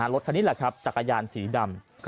รถทานี่คือจักรยานสีดำ